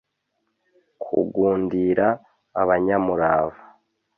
Kugundira abanyamurava